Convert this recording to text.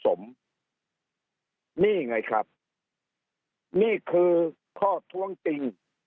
นี่ไงครับนี่คือข้อท้วงติง